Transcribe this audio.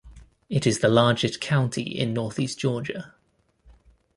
It is the largest county in Northeast Georgia.